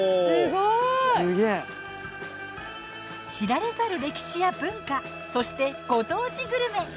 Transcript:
知られざる歴史や文化そしてご当地グルメ。